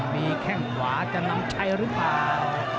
มีแข้งขวาจะนำชัยหรือเปล่า